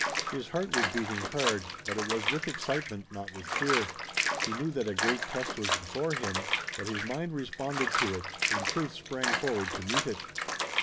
His heart was beating hard, but it was with excitement, not with fear. He knew that a great test was before him, but his mind responded to it, in truth sprang forward to meet it.